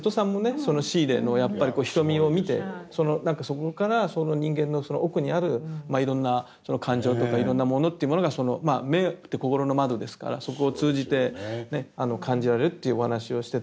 そのシーレのやっぱり瞳を見て何かそこからその人間の奥にあるいろんな感情とかいろんなものっていうものがまあ目って心の窓ですからそこを通じて感じられるっていうお話をしてて。